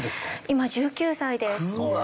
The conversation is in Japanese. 今１９歳です。